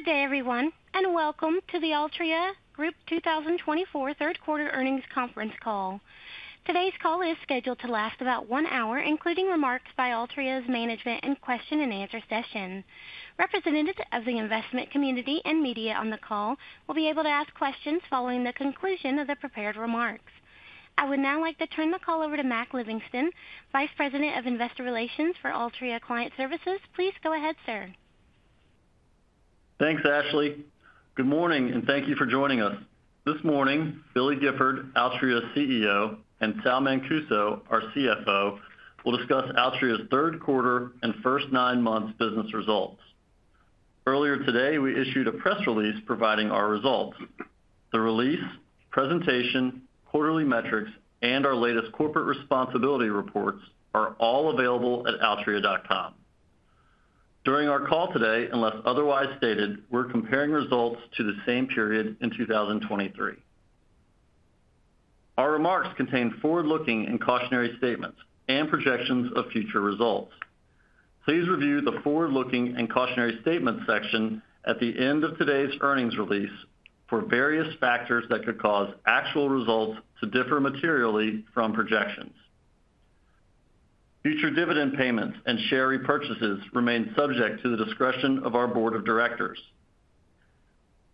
Good day, everyone, and welcome to the Altria Group 2024 Third Quarter Earnings Conference Call. Today's call is scheduled to last about one hour, including remarks by Altria's management and question-and-answer session. Representatives of the investment community and media on the call will be able to ask questions following the conclusion of the prepared remarks. I would now like to turn the call over to Mac Livingston, Vice President of Investor Relations for Altria Client Services. Please go ahead, sir. Thanks Ashley. Good morning and thank you for joining us this morning. Billy Gifford, Altria's CEO, and Sal Mancuso, our CFO, will discuss Altria's third quarter and first nine months business results. Earlier today we issued a press release providing our results. The release, presentation, quarterly metrics and our latest corporate responsibility reports are all available at altria.com during our call today. Unless otherwise stated, we're comparing results to the same period in 2023. Our remarks contain forward-looking and cautionary statements and projections of future results. Please review the forward-looking and cautionary statements section at the end of today's earnings release for various factors that could cause actual results to differ materially from projections. Future dividend payments and share repurchases remain subject to the discretion of our Board of Directors.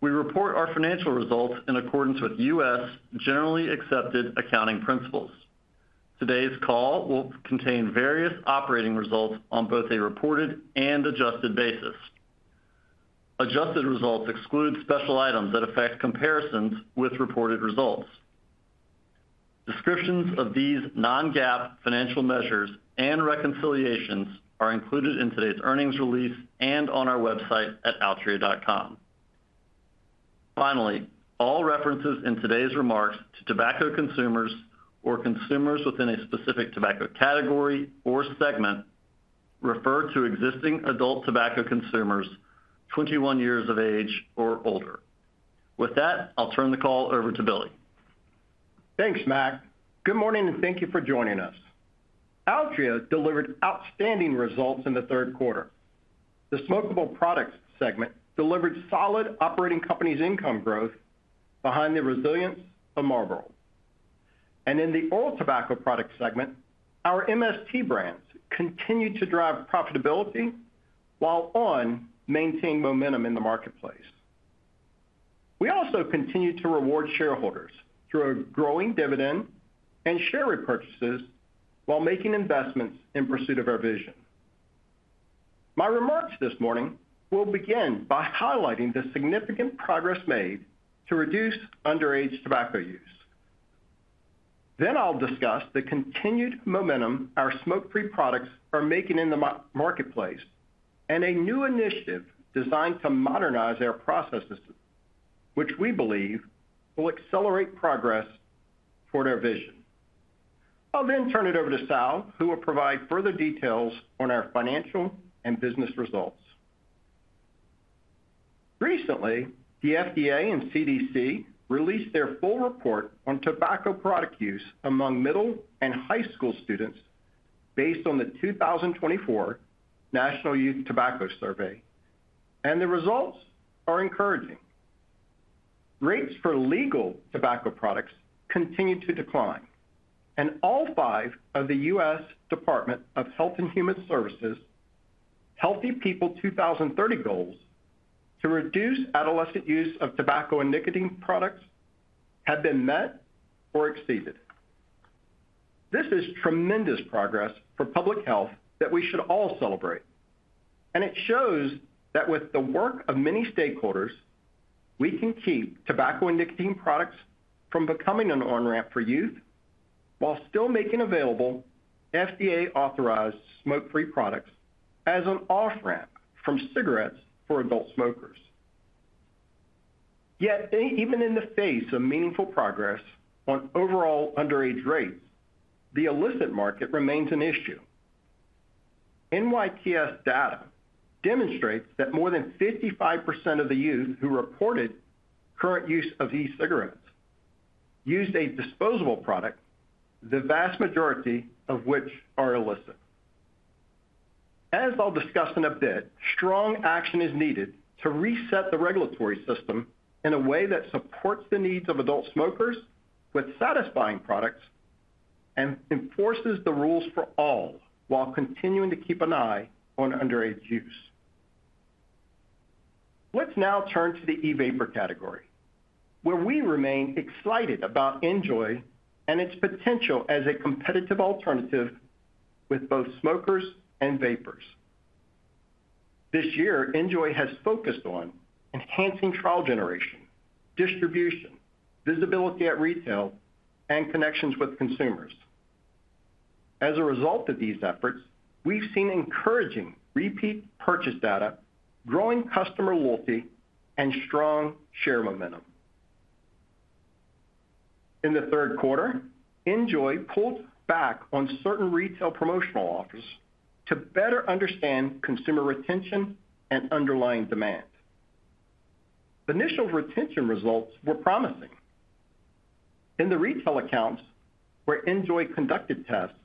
We report our financial results in accordance with U.S. generally accepted accounting principles. Today's call will contain various operating results on both a reported and adjusted basis. Adjusted results exclude special items that affect comparisons with reported results. Descriptions of these non-GAAP financial measures and reconciliations are included in today's earnings release and on our website at altria.com. Finally, all references in today's remarks to tobacco consumers or consumers within a specific tobacco category or segment refer to existing adult tobacco consumers 21 years of age or older. With that, I'll turn the call over to Billy. Thanks, Mac. Good morning, and thank you for joining us. Altria delivered outstanding results in the third quarter. The Smokable Products Segment delivered solid operating companies income growth behind the resilience of Marlboro. And in the Oral Tobacco Products Segment, our MST brands continued to drive profitability while on! maintaining momentum in the marketplace. We also continue to reward shareholders through a growing dividend and share repurchases while making investments in pursuit of our vision. My remarks this morning will begin by highlighting the significant progress made to reduce underage tobacco use. Then I'll discuss the continued momentum our smoke-free products are making in the marketplace and a new initiative designed to modernize our processes, which we believe will accelerate progress toward our vision. I'll then turn it over to Sal, who will provide further details on our financial and business results. Recently, the FDA and CDC released their full report on tobacco product use among middle and high school students. Based on the 2024 National Youth Tobacco Survey, and the results are encouraging. Rates for legal tobacco products continue to decline and all five of the U.S. Department of Health and Human Services Healthy People 2030 goals to reduce adolescent use of tobacco and nicotine products have been met or exceeded. This is tremendous progress for public health that we should all celebrate and it shows that with the work of many stakeholders we can keep tobacco and nicotine products from becoming an on ramp for youth while still making available FDA authorized smoke free products as an off ramp from cigarettes for adult smokers. Yet, even in the face of meaningful progress on overall underage rates, the illicit market remains an issue. NYTS data demonstrates that more than 55% of the youth who reported current use of e-cigarettes used a disposable product, the vast majority of which are illicit. As I'll discuss in a bit, strong action is needed to reset the regulatory system in a way that supports the needs of adult smokers with satisfying products and enforces the rules for all while continuing to keep an eye on underage use. Let's now turn to the e-vapor category where we remain excited about NJOY and its potential as a competitive alternative with both smokers and vapers. This year, NJOY has focused on enhancing trial generation, distribution, visibility at retail and connections with consumers. As a result of these efforts, we've seen encouraging repeat purchase data, growing customer loyalty and strong share momentum. In the third quarter, NJOY pulled back on certain retail promotional offers to better understand consumer retention and underlying demand. Initial retention results were promising in the retail accounts where NJOY conducted tests.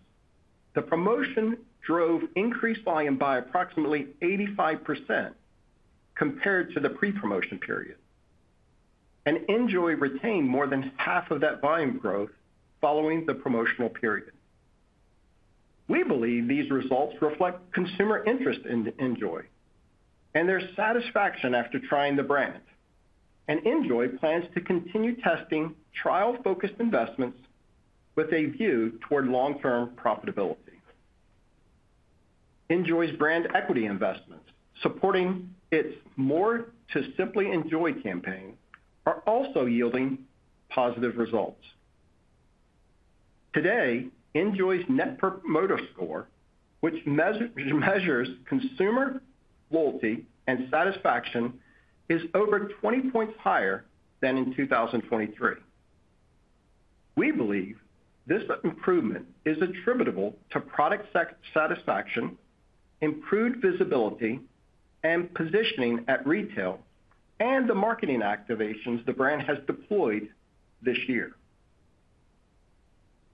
The promotion drove increased volume by approximately 85% compared to the pre-promotion period and NJOY retained more than half of that volume growth following the promotional period. We believe these results reflect consumer interest in NJOY and their satisfaction. After trying the brand, NJOY plans to continue testing trial-focused investments with a view toward long-term profitability. NJOY's brand equity investments supporting its More to Simply Enjoy campaign are also yielding positive results to date. NJOY's Net Promoter Score, which measures consumer loyalty and satisfaction, is over 20 points higher than in 2023. We believe this improvement is attributable to product satisfaction, improved visibility and positioning at retail and the marketing activations the brand has deployed this year.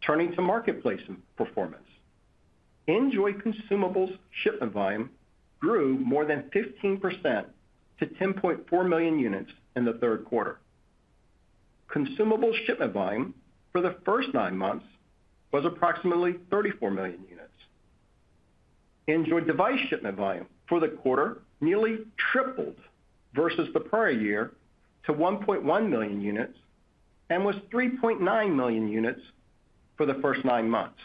Turning to marketplace performance, NJOY consumables shipment volume grew more than 15% to 10.4 million units in the third quarter. Consumable shipment volume for the first nine months was approximately 34 million units. NJOY device shipment volume for the quarter nearly tripled versus the prior year to 1.1 million units and was 3.9 million units for the first nine months.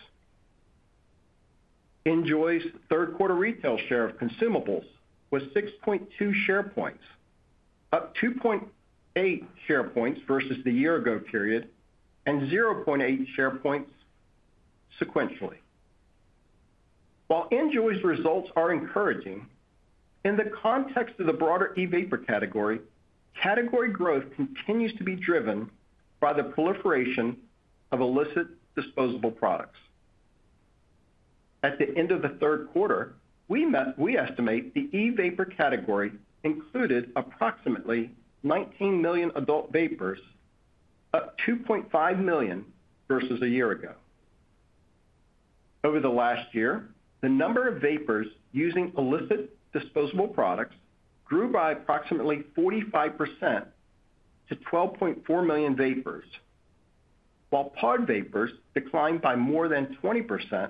NJOY's third quarter retail share of consumables was 6.2 share points up 2.8 share points versus the year ago period and 0.8 share points sequentially. While NJOY's results are encouraging in the context of the broader e-vapor category, category growth continues to be driven by the proliferation of illicit disposable products. At the end of the third quarter, we estimate the e-vapor category included approximately 19 million adult vapers up 2.5 million versus a year ago. Over the last year, the number of vapers using illicit disposable products grew by approximately 45% to 12.4 million vapers while pod vapers declined by more than 20%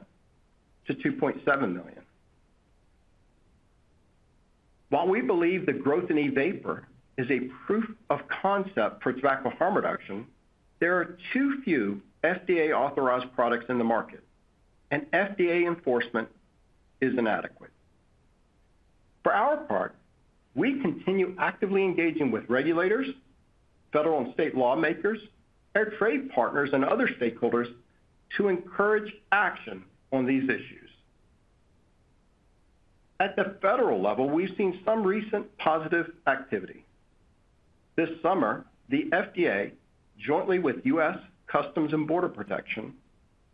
to 2.7 million. While we believe the growth in e-vapor is a proof of concept for tobacco harm reduction, there are too few FDA authorized products in the market and FDA enforcement is inadequate. For our part, we continue actively engaging with regulators, federal and state lawmakers, our trade partners, and other stakeholders to encourage action on these issues. At the federal level, we've seen some recent positive activity. This summer, the FDA, jointly with U.S. Customs and Border Protection,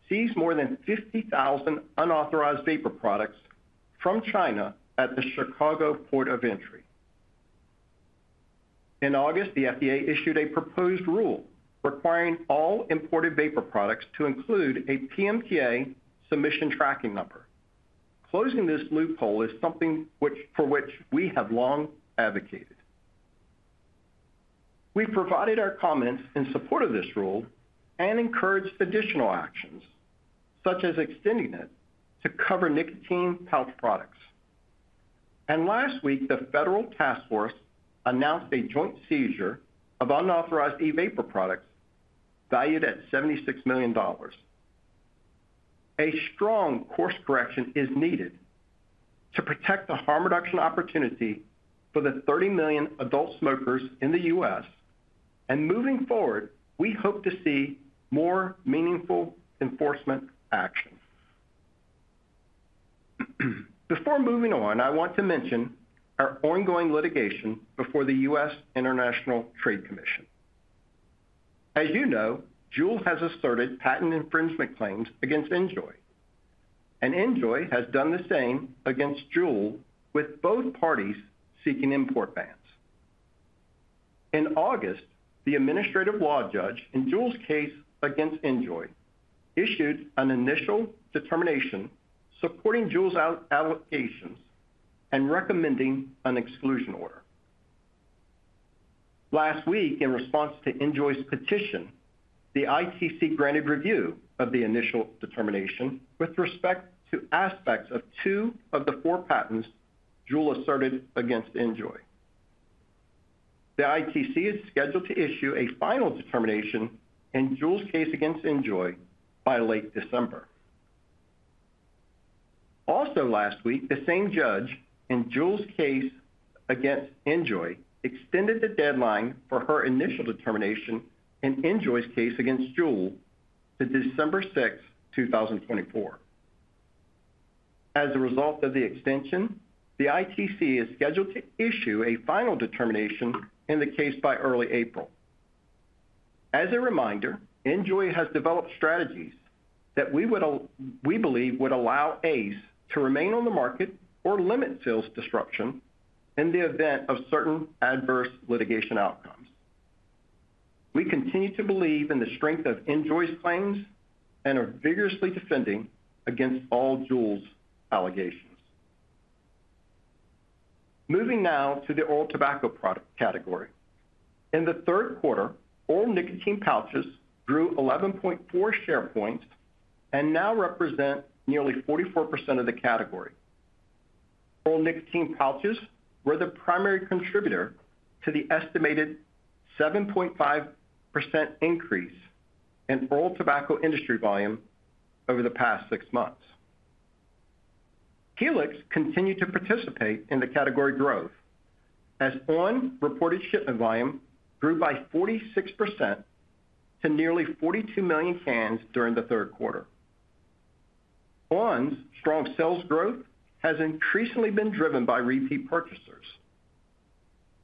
seized more than 50,000 unauthorized vapor products from China at the Chicago Port of Entry. In August, the FDA issued a proposed rule requiring all imported vapor products to include a PMTA submission tracking number. Closing this loophole is something for which we have long advocated. We provided our comments in support of this rule and encouraged additional actions such as extending it to cover nicotine pouch products, and last week, the federal task force announced a joint seizure of unauthorized e-vapor products valued at $76 million. A strong course correction is needed to protect the harm reduction opportunity for the 30 million adult smokers in the U.S. and moving forward, we hope to see more meaningful enforcement action. Before moving on, I want to mention our ongoing litigation before the U.S. International Trade Commission. As you know, Juul has asserted patent infringement claims against NJOY, and NJOY has done the same against Juul, with both parties seeking import bans. In August, the administrative law judge in Juul's case against NJOY issued an initial determination supporting Juul's allegations and recommending an exclusion order. Last week, in response to NJOY's petition, the ITC granted review of the initial determination with respect to aspects of two of the four patents Juul asserted against NJOY. The ITC is scheduled to issue a final determination in Juul's case against NJOY by late December. Also last week, the same judge in Juul's case against NJOY extended the deadline for her initial determination in NJOY's case against Juul to December 6, 2024. As a result of the extension, the ITC is scheduled to issue a final determination in the case by early April. As a reminder, NJOY has developed strategies that we believe would allow ACE to remain on the market or limit sales disruption in the event of certain adverse litigation outcomes. We continue to believe in the strength of NJOY's claims and are vigorously defending against all Juul's allegations. Moving now to the oral tobacco product category, in the third quarter, oral nicotine pouches grew 11.4 share points and now represent nearly 44% of the category. Oral nicotine pouches were the primary contributor to the estimated 7.5% increase oral tobacco industry volume over the past six months. Helix continued to participate in the category growth as ON reported shipment volume grew by 46% to nearly 42 million cans during the third quarter. ON's strong sales growth has increasingly been driven by repeat purchasers.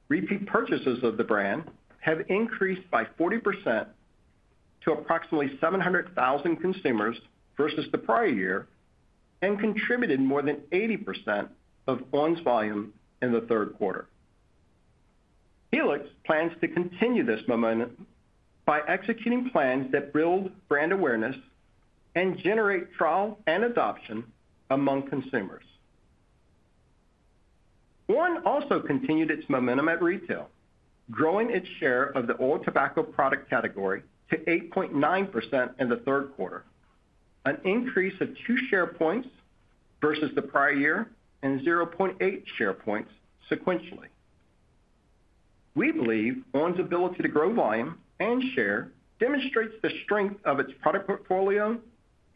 Repeat purchases of the brand have increased by 40% to approximately 700,000 consumers versus the prior year and contributed more than 80% of ON's volume in the third quarter. Helix plans to continue this momentum by executing plans that build brand awareness and generate trial and adoption among consumers. on! also continued its momentum at retail, growing its share of the oral tobacco product category to 8.9% in the third quarter, an increase of two share points versus the prior year and 0.8 share points sequentially. We believe on!'s ability to grow volume and share demonstrates the strength of its product portfolio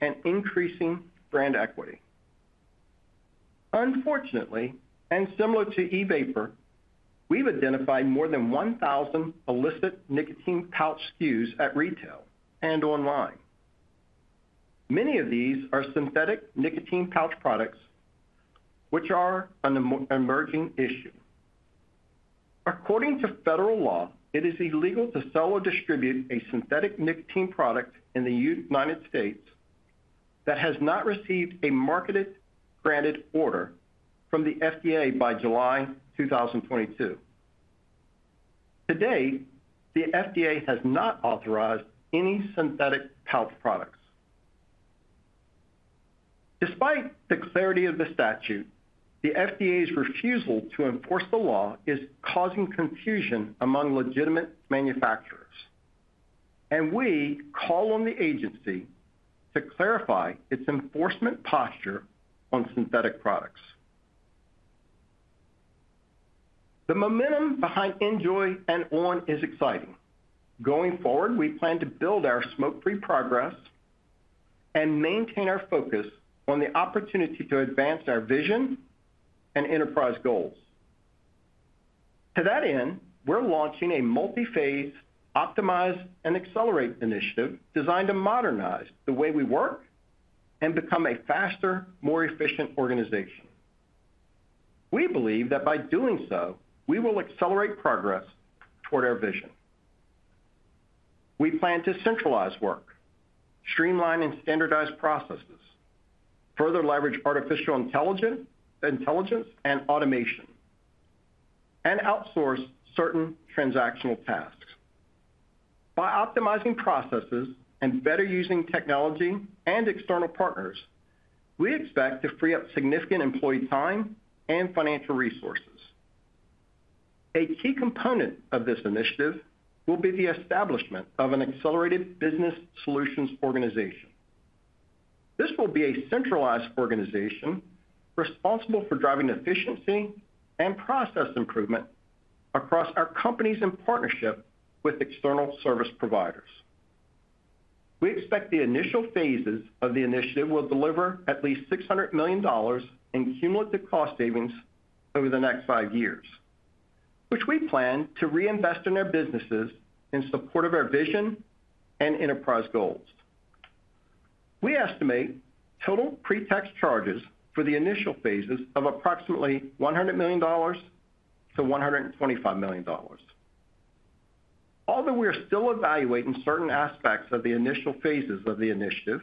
and increasing brand equity. Unfortunately, and similar to e-vapor, we've identified more than 1,000 illicit nicotine pouch SKUs at retail and online. Many of these are synthetic nicotine pouch products which are an emerging issue. According to federal law, it is illegal to sell or distribute a synthetic nicotine product in the United States that has not received a marketing granted order from the FDA by July 2022. Today, the FDA has not authorized any synthetic pouch products despite the clarity of the statute. The FDA's refusal to enforce the law is causing confusion among legitimate manufacturers and we call on the agency to clarify its enforcement posture on synthetic products. The momentum behind NJOY and on! is exciting. Going forward, we plan to build our smoke free progress and maintain our focus on the opportunity to advance our vision and enterprise goals. To that end, we're launching a multi phase, Optimize and Accelerate initiative designed to modernize the way we work and become a faster, more efficient organization. We believe that by doing so we will accelerate progress toward our vision. We plan to centralize work, streamline and standardize processes, further leverage artificial intelligence and automation, and outsource certain transactional tasks. By optimizing processes and better using technology and external partners, we expect to free up significant employee time and financial resources. A key component of this initiative will be the establishment of an accelerated Business Solutions organization. This will be a centralized organization responsible for driving efficiency and process improvement across our companies in partnership with external service providers. We expect the initial phases of the initiative will deliver at least $600 million in cumulative cost savings over the next five years, which we plan to reinvest in our businesses in support of our vision and enterprise goals. We estimate total pre-tax charges for the initial phases of approximately $100 million-$125 million. Although we are still evaluating certain aspects of the initial phases of the initiative,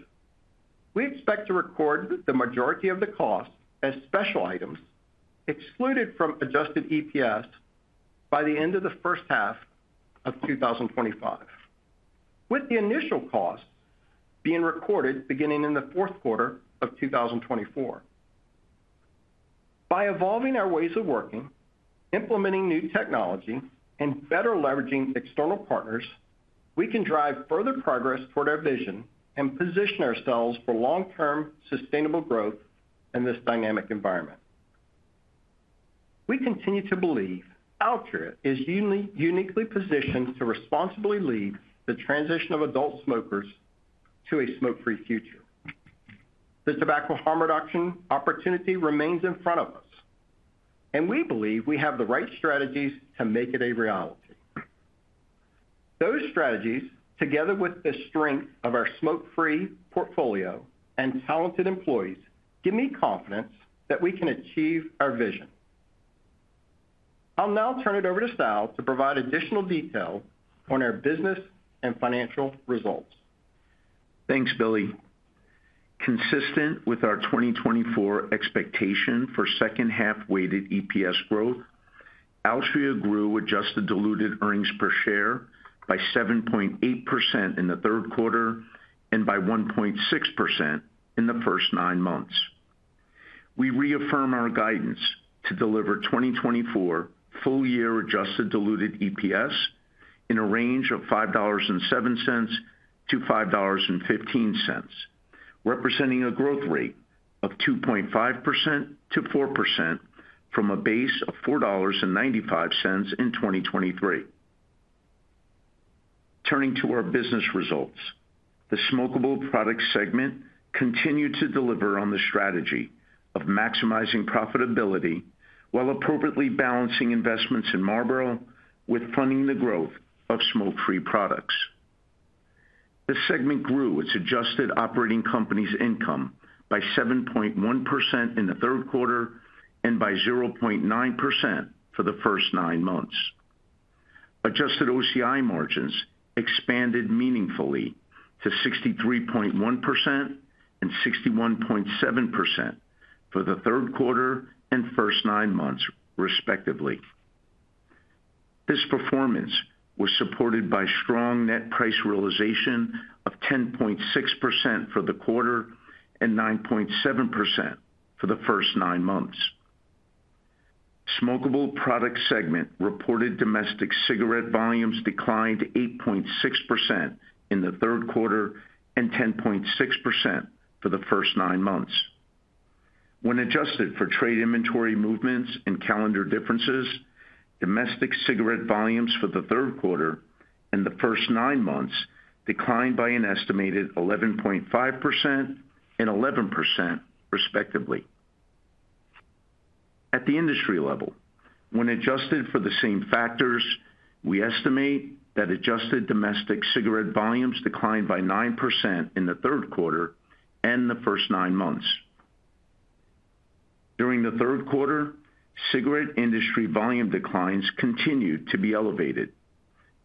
we expect to record the majority of the costs as special items excluded from adjusted EPS by the end of the first half of 2025, with the initial cost being recorded beginning in the fourth quarter of 2024. By evolving our ways of working, implementing new technology and better leveraging external partners, we can drive further progress toward our vision and position ourselves for long term sustainable growth in this dynamic environment. We continue to believe Altria is uniquely positioned to responsibly lead the transition of adult smokers to a smoke free future. The tobacco harm reduction opportunity remains in front of us and we believe we have the right strategies to make it a reality. Those strategies, together with the strength of our smokefree portfolio and talented employees, give me confidence that we can achieve our vision. I'll now turn it over to Sal to provide additional detail on our business and financial results. Thanks Billy. Consistent with our 2024 expectation for second half weighted EPS growth, Altria grew adjusted diluted earnings per share by 7.8% in the third quarter and by 1.6% in the first nine months. We reaffirm our guidance to deliver 2024 full year adjusted diluted EPS in a range of $5.07 to $5.15, representing a growth rate of 2.5% to 4% from a base of $4.95 in 2023. Turning to our business results, the smokeable products segment continued to deliver on the strategy of maximizing profitability while appropriately balancing investments in Marlboro with funding the growth of smoke-free products. This segment grew its Adjusted Operating Companies Income by 7.1% in the third quarter and by 0.9% for the first nine months. Adjusted OCI margins expanded meaningfully to 63.1% and 61.7% for the third quarter and first nine months respectively. This performance was supported by strong net price realization of 10.6% for the quarter and 9.7% for the first nine months. Smokeable Products segment reported domestic cigarette volumes declined 8.6% in the third quarter and 10.6% for the first nine months when adjusted for trade inventory movements and calendar differences. Domestic cigarette volumes for the third quarter and the first nine months declined by an estimated 11.5% and 11% respectively. The industry level when adjusted for the same factors, we estimate that adjusted domestic cigarette volumes declined by 9% in the third quarter and the first nine months. During the third quarter, cigarette industry volume declines continued to be elevated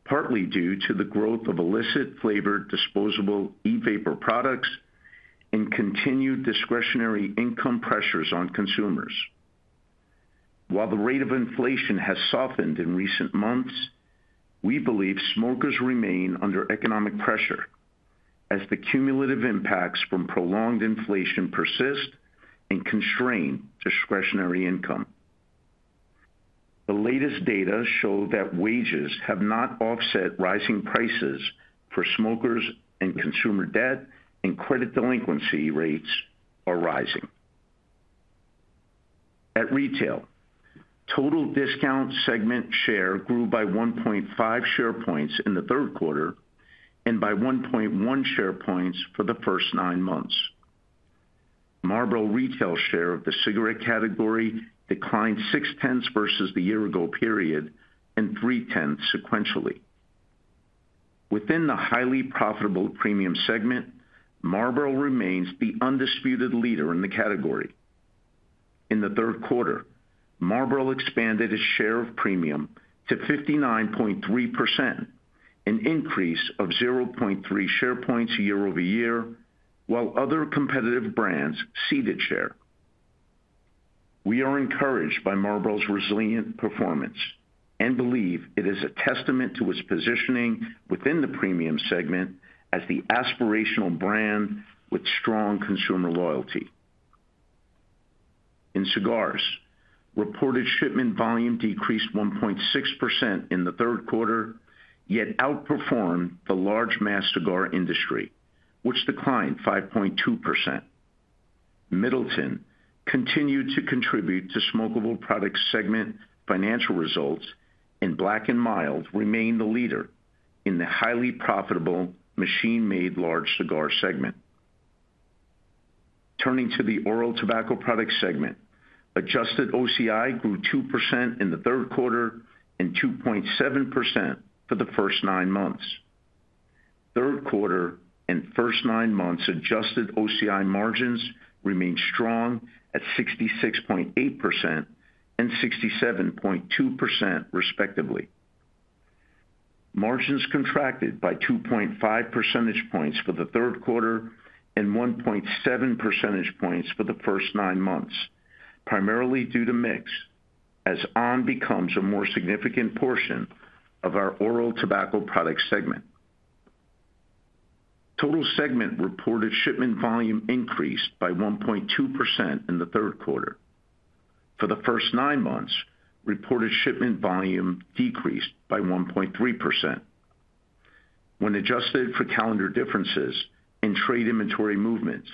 partly due to the growth of illicit flavored disposable e-vapor products and continued discretionary income pressures on consumers. While the rate of inflation has softened in recent months, we believe smokers remain under economic pressure as the cumulative impacts from prolonged inflation persist and constrain discretionary income. The latest data show that wages have not offset rising prices, and for smokers, consumer debt and credit delinquency rates are rising. At retail, total discount segment share grew by 1.5 share points in the third quarter and by 1.1 share points for the first nine months. Marlboro's retail share of the cigarette category declined 6.10 versus the year ago period and 0.3 sequentially within the highly profitable premium segment. Marlboro remains the undisputed leader in the category. In the third quarter, Marlboro expanded its share of premium to 59.3%, an increase of 0.3 share points year over year while other competitive brands ceded share. We are encouraged by Marlboro's resilient performance and believe it is a testament to its positioning within the premium segment as the aspirational brand with strong consumer loyalty in cigars. Reported shipment volume decreased 1.6% in the third quarter yet outperformed the large mass cigar industry which declined 5.2%. Middleton continued to contribute to smokable products segment financial results and Black & Mild remains the leader in the highly profitable machine-made large cigar segment. Turning to the oral tobacco products segment, adjusted OCI grew 2% in the third quarter and 2.7% for the first nine months. Adjusted OCI margins remained strong at 66.8% and 67.2% respectively. Margins contracted by 2.5 percentage points for the third quarter and 1.7 percentage points for the first nine months primarily due to mix as ON becomes a more significant portion of our oral tobacco products segment total reported shipment volume increased by 1.2% in the third quarter. For the first nine months, reported shipment volume decreased by 1.3%. When adjusted for calendar differences and trade inventory movements,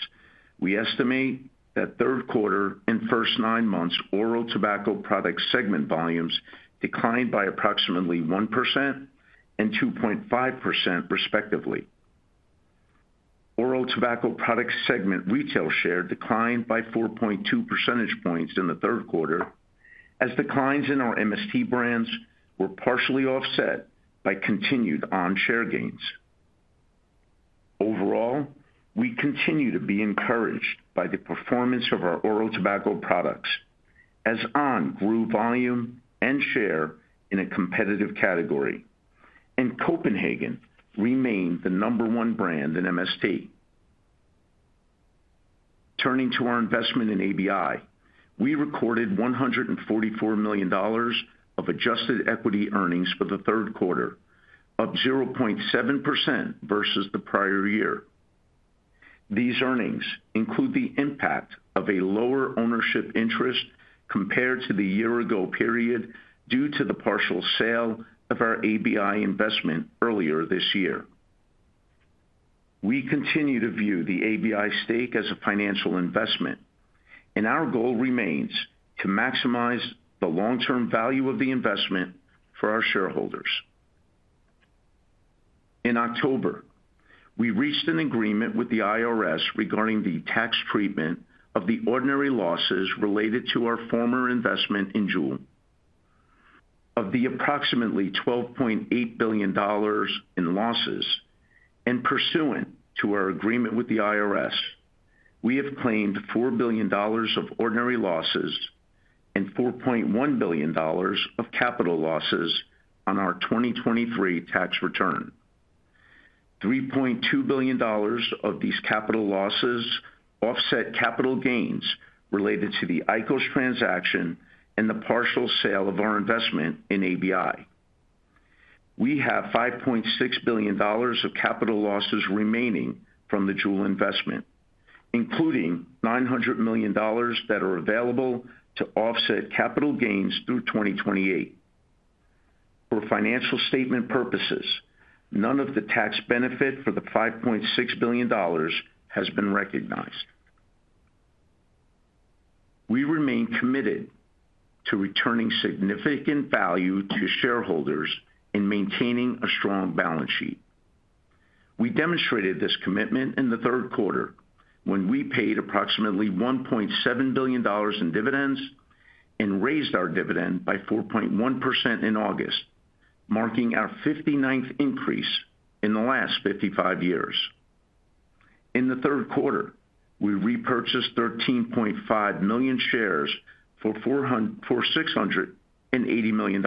we estimate that third quarter and first nine months oral tobacco products segment volumes declined by approximately 1% and 2.5% respectively. Oral Tobacco Products segment retail share declined by 4.2 percentage points in the third quarter as declines in our MST brands were partially offset by continued ON share gains. Overall, we continue to be encouraged by the performance of our oral tobacco products as ON grew volume and share in a competitive category and Copenhagen remained the number one brand in MST. Turning to our investment in ABI, we recorded $144 million of adjusted equity earnings for the third quarter, up 0.7% versus the prior year. These earnings include the impact of a lower ownership interest compared to the year ago period due to the partial sale of our ABI investment earlier this year. We continue to view the ABI stake as a financial investment and our goal remains to maximize the long term value of the investment for our shareholders. In October we reached an agreement with the IRS regarding the tax treatment of the ordinary losses related to our former investment in Juul. Of the approximately $12.8 billion in losses and pursuant to our agreement with the IRS, we have claimed $4 billion of ordinary losses and $4.1 billion of capital losses on our 2023 tax return. $3.2 billion of these capital losses offset capital gains related to the IQOS transaction and the partial sale of our investment in ABI. We have $5.6 billion of capital losses remaining from the Juul investment, including $900 million that are available to offset capital gains through 2028. For financial statement purposes, none of the tax benefit for the $5.6 billion has been recognized. We remain committed to returning significant value to shareholders and maintaining a strong balance sheet. We demonstrated this commitment in the third quarter when we paid approximately $1.7 billion in dividends and raised our dividend by 4.1% in August, marking our 59th increase in the last 55 years. In the third quarter, we repurchased 13.5 million shares for $680 million.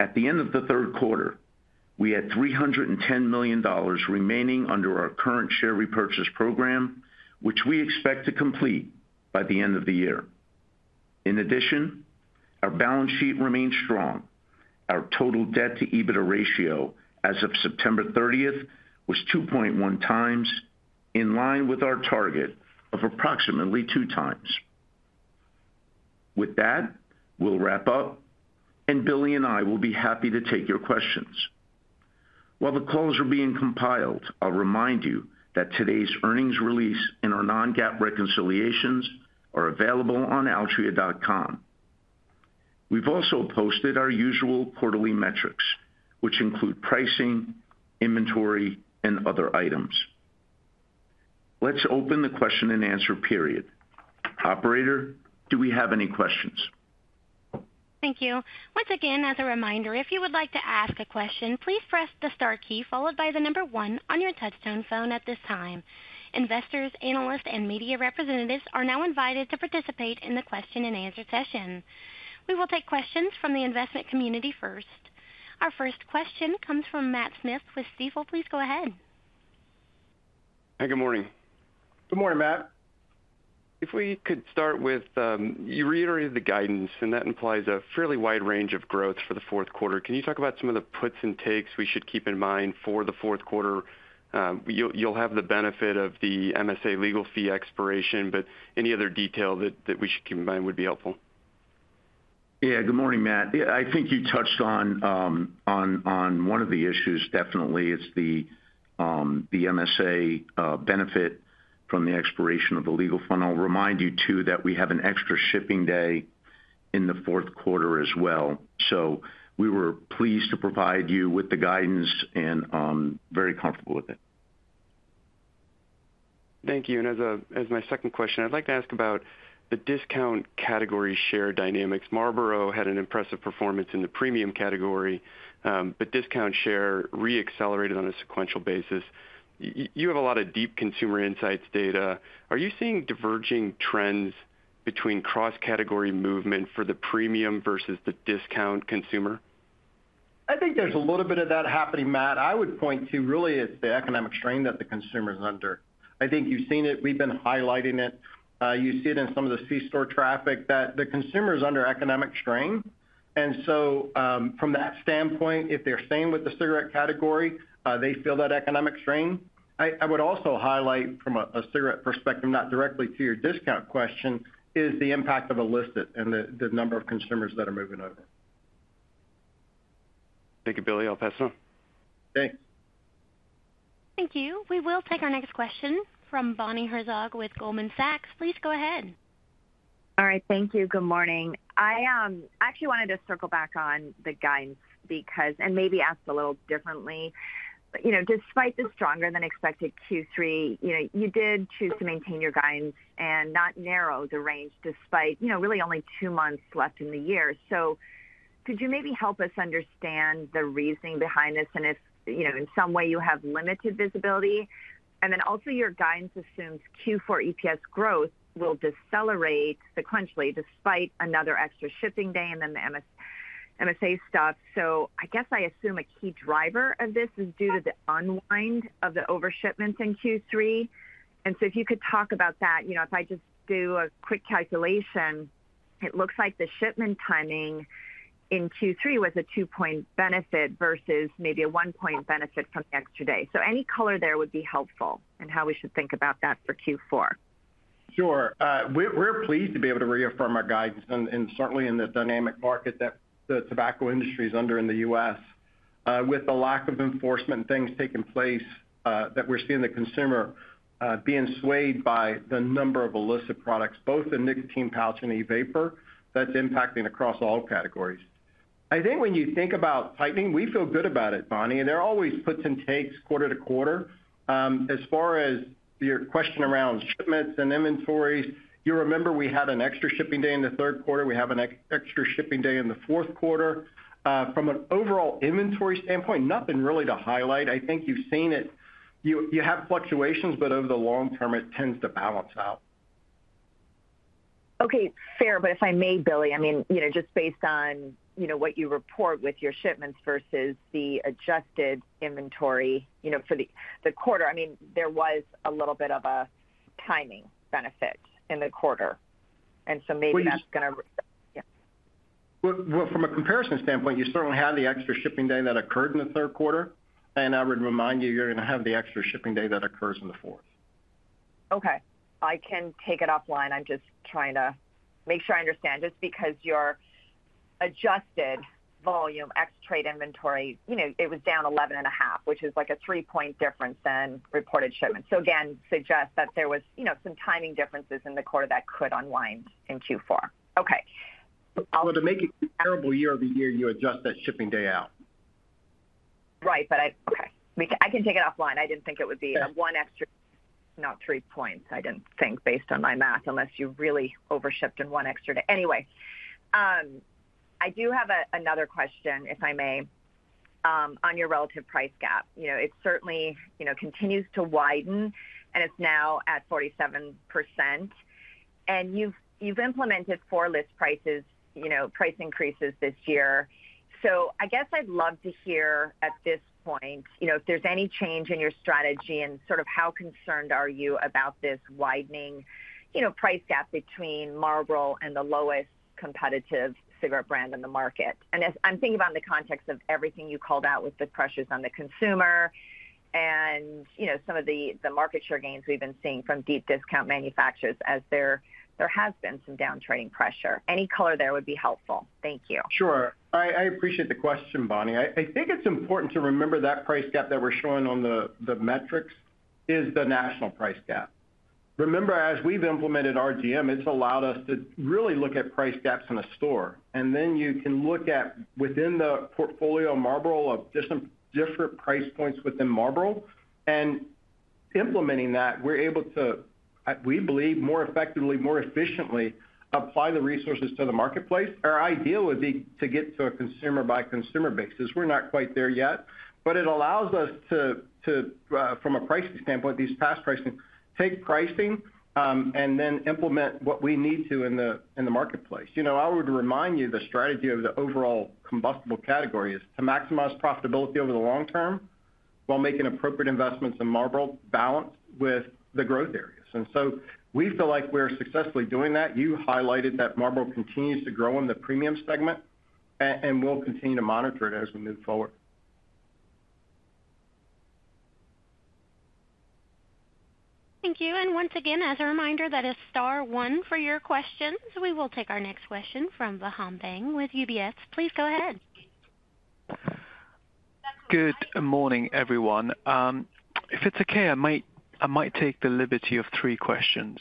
At the. End of the third quarter we had $310 million remaining under our current share repurchase program, which we expect to complete by the end of the year. In addition, our balance sheet remains strong. Our total debt to EBITDA ratio as of September 30th was 2.1 times in line with our target of approximately 2 times. With that, we'll wrap up and Billy and I will be happy to take your questions while the calls are being compiled. I'll remind you that today's earnings release and our non-GAAP reconciliations are available on altria.com. We've also posted our usual quarterly metrics which include pricing, inventory and other items. Let's open the question and answer period. Operator, do we have any questions? Thank you. Once again, as a reminder, if you would like to ask a question, please press the star key followed by the number one on your touchtone phone at this time. Investors, analysts and media representatives are now invited to participate in the question and answer session. We will take questions from the investment community first. Our first question comes from Matt Smith with Stifel. Please go ahead. Good morning. Good morning, Matt, if we could start. You reiterated the guidance and that implies a fairly wide range of growth. For the fourth quarter. Can you talk about some of the puts and takes we should keep in mind for the fourth quarter? You'll have the benefit of the MSA legal fee expiration, but any other detail that we should keep in mind would be helpful. Yeah. Good morning Matt. I think you touched on one of the issues. Definitely. It's the MSA benefit from the expiration of the legal fund. I'll remind you too that we have an extra shipping day in the fourth quarter as well. So we were pleased to provide you with the guidance and very comfortable with it. Thank you. As my second question, I'd like to ask about the discount category share dynamics. Marlboro had an impressive performance in the premium category, but discount share reaccelerated on a sequential basis. You have a lot of deep consumer insights data. Are you seeing diverging trends between cross category movement for the premium versus the discount consumer? I think there's a little bit of that happening, Matt. I would point to really it's the economic strain that the consumer is under. I think you've seen it, we've been highlighting it. You see it in some of the c-store traffic that the consumer is under economic strain and so from that standpoint, if they're staying with the cigarette category, they feel that economic strain. I would also highlight from a cigarette perspective, not directly to your discount question is the impact of illicit and the number of consumers that are moving over. Thank you, Billy. I'll pass it on. Thanks. Thank you. We will take our next question from Bonnie Herzog with Goldman Sachs. Please go ahead. All right, thank you. Good morning. I actually wanted to circle back on the guidance. And maybe ask a little differently. You know, despite the stronger than expected Q3, you know, you did choose to maintain your guidance and not narrow the range despite, you know, really only two months left in the year. So could you maybe help us understand the reasoning behind this? And if, you know, in some way you have limited visibility and then also your guidance assumes Q4 EPS growth will decelerate sequentially despite another extra shipping day and then the MSA stops. So I guess I assume a key driver of this is due to the unwind of the overshipments in Q3. And so if you could talk about that, you know, if I just do a quick calculation, it looks like the shipment timing in Q3 was a 2-point benefit versus maybe a 1-point benefit from extra day. So any color there would be helpful and how we should think about that for Q4. Sure. We're pleased to be able to reaffirm our guidance, and certainly in the dynamic market that the tobacco industry is under in the U.S. with the lack of enforcement things taking place that we're seeing the consumer being swayed by the number of illicit products, both the nicotine pouch and e-vapor, that's impacting across all categories. I think when you think about tightening, we feel good about it, Bonnie, and there are always puts and takes quarter to quarter. As far as your question around shipments and inventories, you remember we had an extra shipping day in the third quarter. We have an extra shipping day in the fourth quarter. From an overall inventory standpoint, nothing really to highlight. I think you've seen it, you have fluctuations, but over the long term it tends to balance out. Okay, fair. But if I may, Billy, I mean, you know, just based on, you know, what you report with your shipments versus the adjusted inventory, you know for the quarter, I mean, there was a little bit of a timing benefit in the quarter and so maybe that's going to. From a comparison standpoint, you certainly have the extra shipping day that occurred in the third quarter. I would remind you, you're going to have the extra shipping day that occurs in the fourth. Okay, I can take it offline. I'm just trying to make sure. I understand. Just because you're adjusted volume ex trade inventory, you know, it was down 11.5, which is like a three point difference than reported shipments. So again suggest that there was, you know, some timing differences in the quarter that could unwind in Q4. Okay, well, to make it comparable year over year, you adjust that shipping day out. Right. But. Okay, I can take it offline. I didn't think it would be one extra. Not three points. I didn't think based on my math, unless you really overshipped in one extra. Anyway, I do have another question, if I may, on your relative price gap. You know, it certainly, you know, continues to widen and it's now at 47% and you've implemented four list prices, you know, price increases this year. So I guess I'd love to hear at this point, you know, if there's any change in your strategy and sort of how concerned are you about this widening, you know, price gap between Marlboro and the lowest competitive cigarette brand in the market? I'm thinking about in the context of everything you called out with the pressures on the consumer and you know, some of the market share gains we've been seeing from deep discount manufacturers as there has been some down trading pressure. Any color there would be helpful, thank you. Sure. I appreciate the question, Bonnie. I think it's important to remember that price gap that we're showing on the metrics is the national price gap. Remember, as we've implemented RGM, it's allowed us to really look at price gaps in a store and then you can look at within the portfolio, Marlboro of different price points within Marlboro. And implementing that, we're able to, we believe, more effectively, more efficiently apply the resources to the marketplace. Our ideal would be to get to a consumer by consumer basis. We're not quite there yet, but it allows us to, to from a pricing standpoint, these past pricing, take pricing and then implement what we need to in the marketplace. You know, I would remind you the strategy of the overall combustible category is to maximize profitability over the long term while making appropriate investments in Marlboro balanced with the growth areas. And so we feel like we're successfully doing that. You highlighted that Marlboro continues to grow in the premium segment and we'll continue to monitor it as we move forward. Thank you. And once again, as a reminder, that is Star One for your questions. We will take our next question from Faham Baig with UBS. Please go ahead. Good morning everyone. If it's okay, I might take the liberty of three questions.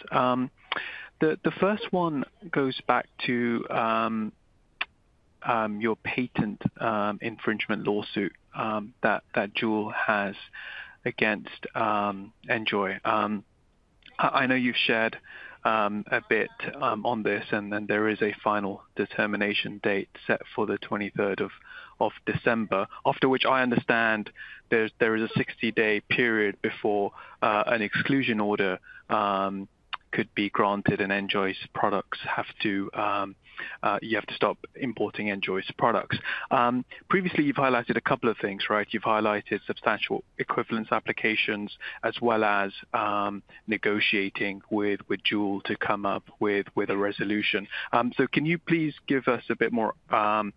The first one goes back to. Your. Patent infringement lawsuit that Juul has against NJOY. I know you've shared a bit on this. And then there is a final determination date set for 23rd December, after which I understand there is a 60 day period before an exclusion order could be granted. And NJOY's products have to. You have to stop importing NJOY's products. Previously, you've highlighted a couple of things, right? You've highlighted substantial equivalence applications as well as negotiating with Juul to come up with a resolution. So can you please give us a bit more information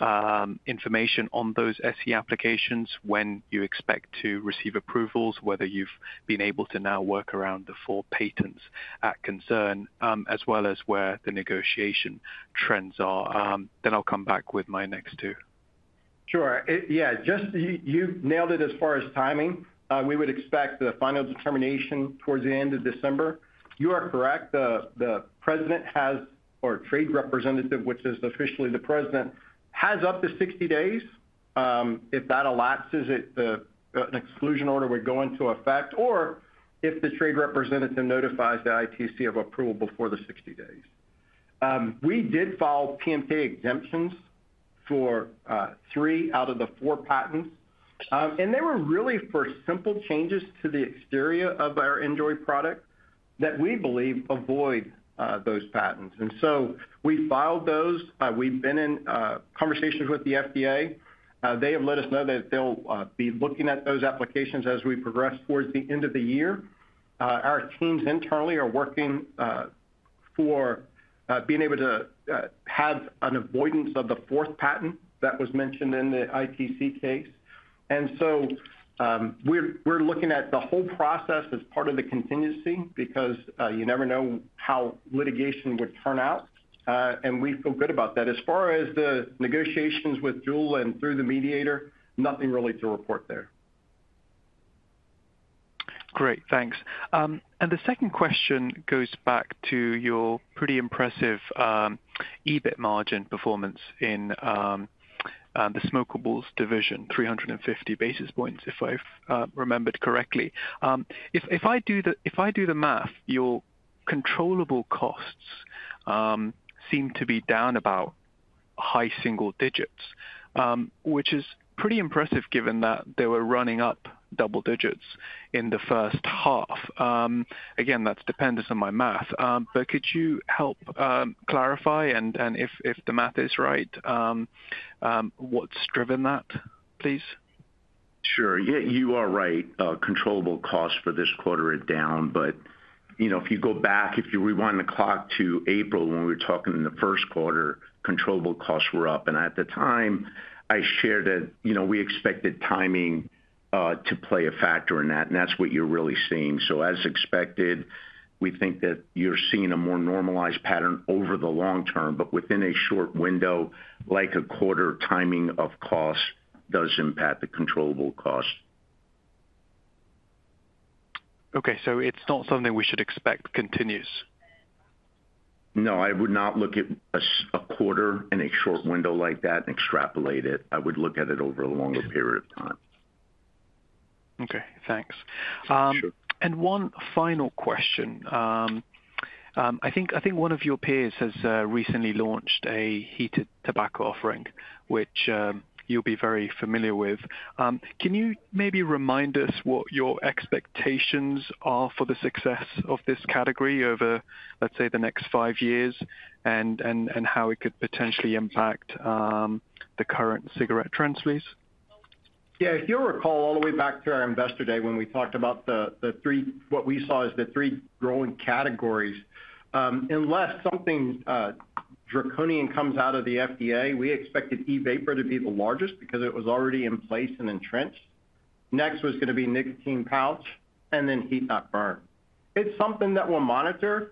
on those SE applications when you expect to receive approvals, whether you've been able to now work around the four patents at concern as well as where the negotiation trends are, then I'll come back with my next two. Sure. Yeah. You nailed it. As far as timing, we would expect the final determination towards the end of December. You are correct. The President, or trade representative, which is officially the President, has up to 60 days. If that elapses, an exclusion order would go into effect, or if the trade representative notifies the ITC of approval before the 60 days. We did file PMTA exemptions for three out of the four patents, and they were really for simple changes to the exterior of our NJOY product that we believe avoid those patents, and so we filed those. We've been in conversations with the FDA. They have let us know that they'll be looking at those applications as we progress towards the end of the year. Our teams internally are working for being able to have an avoidance of the fourth patent that was mentioned in the ITC case, and so we're looking at the whole process as part of the contingency because you never know how litigation would turn out and we feel good about that. As far as the negotiations with Juul and through the mediator, nothing really to report there. Great, thanks. And the second question goes back to your pretty impressive EBIT margin performance in the Smokables Division. 350 basis points, if I remembered correctly. If I do the math, your controllable costs seem to be down about high single digits, which is pretty impressive given that they were running up double digits in the first half. Again, that's dependent on my math. But could you help clarify and if the math is right, what's driven that, please? Sure, you are right. Controllable costs for this quarter are down, but if you go back, if you rewind the clock to April, when we were talking in the first quarter, controllable costs were up, and at the time I shared it, you know, we expected timing to play a factor in that, and that's what you're really seeing, so as expected, we think that you're seeing a more normalized pattern over the long term, but within a short window, like a quarter, timing of costs does impact the controllable cost. Okay, so it's not something we should expect continues. No, I would not look at a quarter in a short window like that and extrapolate it. I would look at it over a longer period of time. Okay, thanks. One final question. I think one of your peers has recently launched a heated tobacco offering which you'll be very familiar with. Can you maybe remind us what your expectations are for the success of this category over, let's say, the next five years and how it could potentially impact the current cigarette trends? Please. Yeah. If you'll recall all the way back to our investor day when we talked about the three, what we saw is the three growing categories. Unless something draconian comes out of the FDA, we expected e-vapor to be the largest because it was already in place and entrenched. Next was going to be nicotine pouch and then heat-not-burn. It's something that we'll monitor.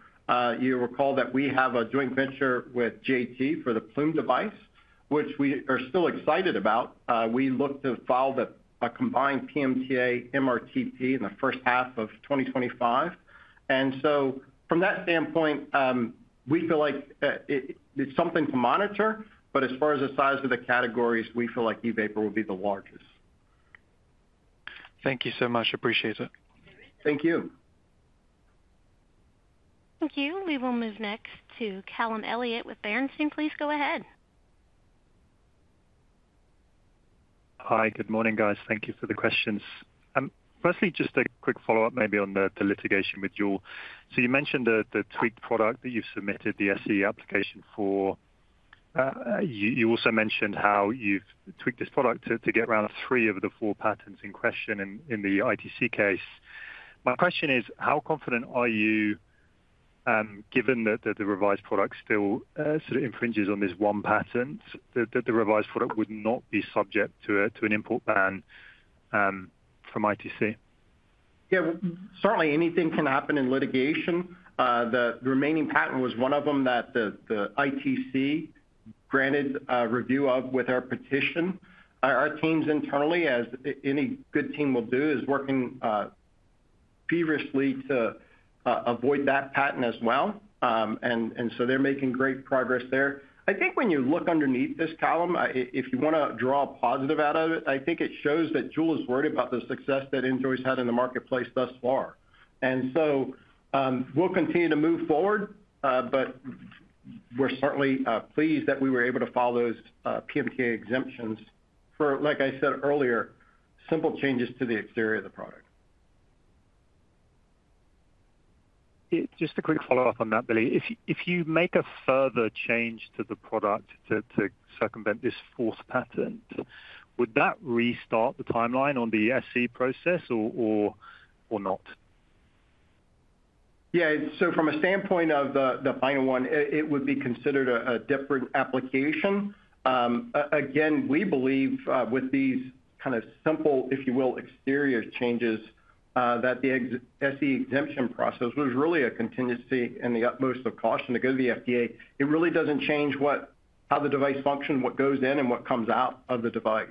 You recall that we have a joint venture with JT for the Ploom device, which we are still excited about. We look to file a combined PMTA MRTP in the first half of 2025, and so from that standpoint, we feel like it's something to monitor, but as far as the size of the categories, we feel like e-vapor will be the largest. Thank you so much. Appreciate it. Thank you. Thank you. We will move next to Callum Elliott with Bernstein. Please go ahead. Hi, good morning, guys. Thank you for the questions. Firstly, just a quick follow up maybe on the litigation with Juul. So you mentioned the tweaked product that you've submitted the SE application for. You also mentioned how you've tweaked this product to get around three of the four patents in question in ITC case. My question is how confident are you, given that the revised product still sort of infringes on this one patent, that the revised product would not be subject to an import ban from ITC? Yeah, certainly anything can happen in litigation. The remaining patent was one of them that the ITC granted review of with our petition. Our teams internally, as any good team will do, is working feverishly to avoid that patent as well, and so they're making great progress there. I think when you look underneath this column, if you want to draw a positive out of it, I think it shows that Juul is worried about the success that NJOY's had in the marketplace thus far, and so we'll continue to move forward, but we're certainly pleased that we were able to file those PMTA exemptions for, like I said earlier, simple changes to the exterior of the product. Just a quick follow up on that, Billy. If you make a further change to the product to circumvent this fourth patent, would that restart the timeline on the SE process or not? Yeah, so from a standpoint of the final one, it would be considered a different application. Again, we believe with these kind of simple, if you will, exterior changes that the SE exemption process was really a contingency and the utmost of caution to go to the FDA. It really doesn't change how the device functions, what goes in and what comes out of the device,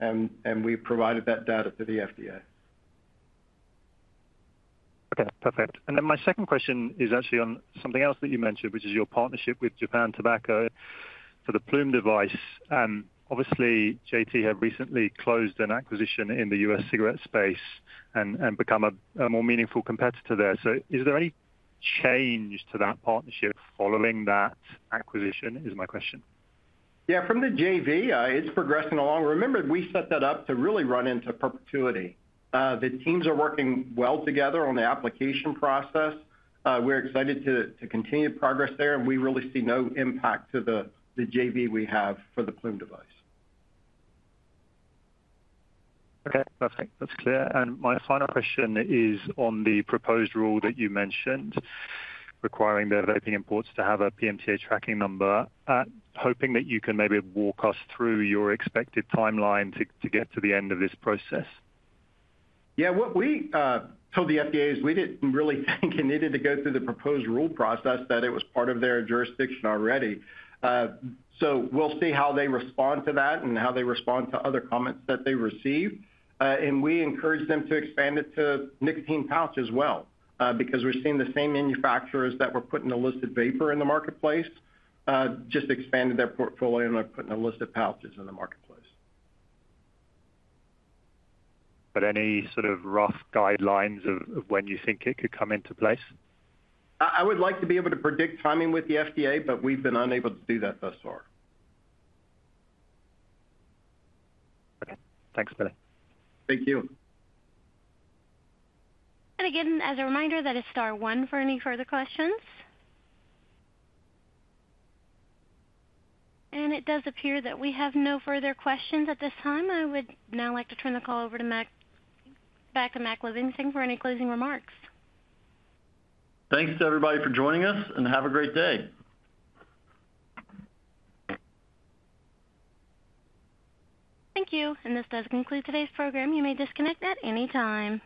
and we provided that data to the FDA. Okay, perfect. And then my second question is actually on something else that you mentioned, which is your partnership with Japan Tobacco for the Ploom device. Obviously, JT have recently closed an acquisition in the U.S. cigarette space and become a more meaningful competitor there. So is there any change to that partnership following that acquisition, is my question? Yeah, from the JV. It's progressing along. Remember, we set that up to really run into perpetuity. The teams are working well together on the application process. We're excited to continue progress there, and we really see no impact to the JV we have for the Ploom device. Okay, perfect. That's clear. My final question is on the proposed rule that you mentioned, requiring the vaping imports to have a PMTA tracking number. Hoping that you can maybe walk us through your expected timeline to get to the end of this process. Yeah. What we told the FDA is we didn't really think it needed to go through the proposed rule process, that it was part of their jurisdiction already. So we'll see how they respond to that and how they respond to other comments that they receive, and we encourage them to expand it to nicotine pouch as well, because we're seeing the same manufacturers that were putting illicit e-vapor in the marketplace, just expanded their portfolio and are putting illicit pouches in the marketplace. But any sort of rough guidelines of when you think it could come into place. I would like to be able to predict timing with the FDA, but we've been unable to do that thus far. Okay, thanks, Betty. Thank you. And again, as a reminder that it's Star One for any further questions. And it does appear that we have no further questions at this time. I would now like to turn the call over to Mac back to Mac Livingston for any closing remarks. Thanks to everybody for joining us, and have a great day. Thank you. And this does conclude today's program. You may disconnect at any time.